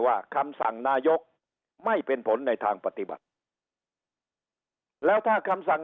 คำสั่งนายกไม่เป็นผลในทางปฏิบัติแล้วถ้าคำสั่ง